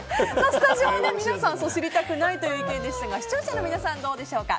スタジオの皆さんは知りたくないという意見でしたが視聴者の皆さんはどうでしょうか。